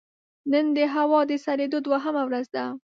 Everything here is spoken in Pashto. نن د هوا د سړېدو دوهمه ورځ ده